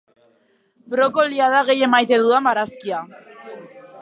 Brokolia da gehien maite dudan barazkia